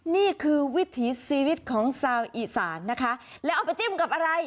นี่คือวิถีชีวิตของชาวอีสานนะคะแล้วเอาไปจิ้มกับอะไร